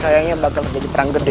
kayaknya bakal terjadi perang gede